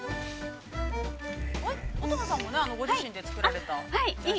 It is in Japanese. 乙葉さんもご自身で作られた。